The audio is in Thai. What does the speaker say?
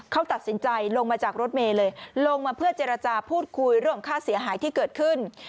เขาตัดสินใจลงมาจากรถเมย์เลยลงมาเพื่อเจรจาพูดคุยเรื่องค่าเสียหายที่เกิดขึ้น